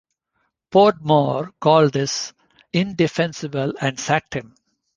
Podmore called this "indefensible" and sacked him.